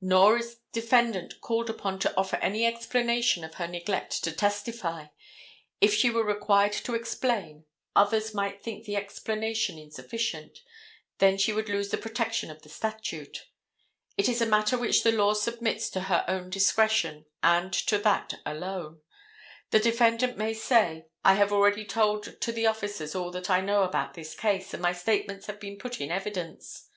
Nor is defendant called upon to offer any explanation of her neglect to testify. If she were required to explain, others might think the explanation insufficient. Then she would lose the protection of the statute. It is a matter which the law submits to her own discretion, and to that alone. The defendant may say: "I have already told to the officers all that I know about this case, and my statements have been put in evidence.